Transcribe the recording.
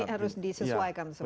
terus disesuaikan semua